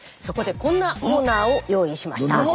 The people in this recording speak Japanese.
そこでこんなコーナーを用意しました。